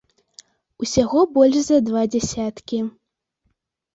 Усяго больш за два дзясяткі.